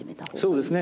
そうですね。